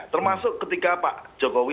termasuk ketika pak jokowi